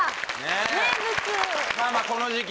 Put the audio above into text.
名物まあまあこの時期